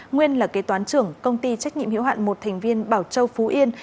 nguyên là kế toán trưởng công ty trách nhiệm hiệu hạn một thành viên bảo châu phú yên